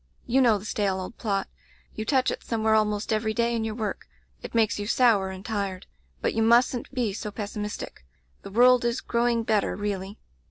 You know the stale old plot. You touch it somewhere almost every day in your work. It makes you sour and tired. But you mustn't be so pessimis tic. The world is growing better, really.